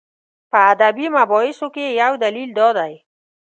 په ادبي مباحثو کې یې یو دلیل دا دی.